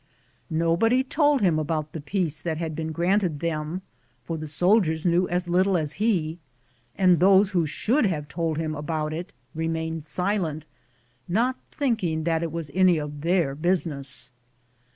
Nobody told him about the peace that had been granted them, for the soldiers knew as little as he, and those who should have told him about it remained silent, not thinking that it was any of their business.